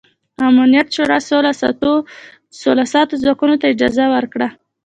امنیت شورا سوله ساتو ځواکونو ته اجازه ورکړه.